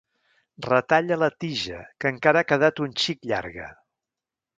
Retalla la tija, que encara ha quedat un xic llarga.